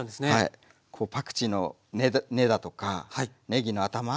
あとパクチーの根だとかねぎの頭